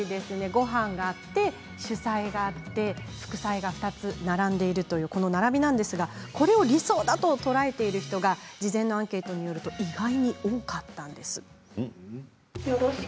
ごはんがあって主菜があって副菜が２つ並んでいるというこの並びなんですけれど理想だと、とらえている人が事前アンケートで意外に多かったんです。